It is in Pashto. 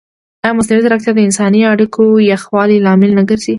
ایا مصنوعي ځیرکتیا د انساني اړیکو یخوالي لامل نه ګرځي؟